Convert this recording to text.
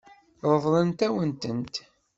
Ṛeḍlent-awen-tent.